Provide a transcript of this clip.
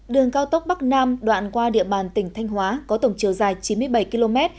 đường cao tốc bắc nam đoạn qua địa bàn tỉnh thanh hóa có tổng chiều dài chín mươi bảy km